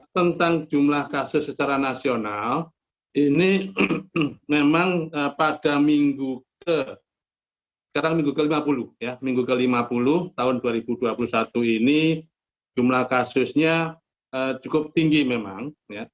tentang jumlah kasus secara nasional ini memang pada minggu ke lima puluh tahun dua ribu dua puluh satu ini jumlah kasusnya cukup tinggi memang